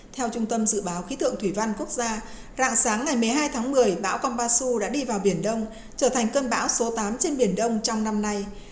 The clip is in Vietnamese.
theo trung tâm dự báo khí tượng thủy văn quốc gia rạng sáng ngày một mươi hai tháng một mươi bão konbasu đã đi vào biển đông trở thành cơn bão số tám trên biển đông trong năm nay